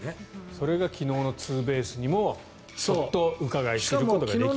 それが昨日のツーベースにもちょっとうかがい知ることができましたよと。